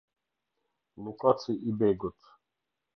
Llukaci i Begut